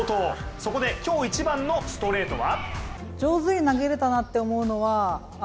そこで今日一番のストレートは？